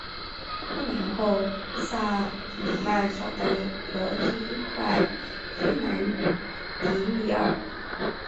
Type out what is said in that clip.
多年后萨鲁曼找到了第一块伊兰迪米尔。